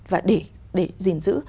và để gìn giữ